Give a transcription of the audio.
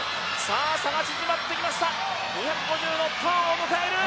差が縮まってきました２５０のターンを迎える！